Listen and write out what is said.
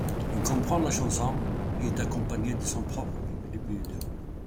Il comprend la chanson ' qui est accompagné de son propre clip vidéo.